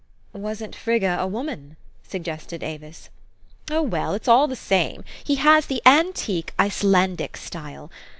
" Wasn't Frigga a woman? " suggested Avis. " Oh, well ! it's all the same. He has the antique, Icelandic style.